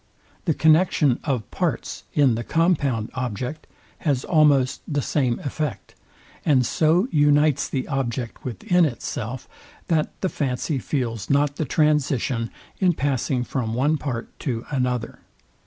The connexion of parts in the compound object has almost the same effect, and so unites the object within itself, that the fancy feels not the transition in passing from one part to another.